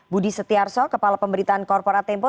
budi setiarso kepala pemberitaan korporat tempo